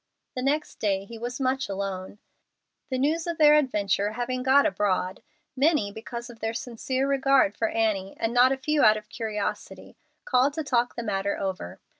The next day he was much alone. The news of their adventure having got abroad, many because of their sincere regard for Annie, and not a few out of curiosity, called to talk the matter over.